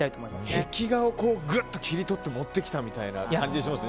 壁画をぐっと切り取って持ってきたみたいな感じしますね。